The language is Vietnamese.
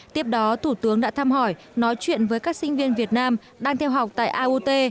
tiếp đó thủ tướng đã thăm hỏi nói chuyện với các sinh viên việt nam đang theo học tại aut